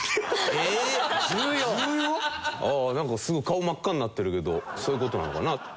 ああなんかすごい顔真っ赤になってるけどそういう事なのかな？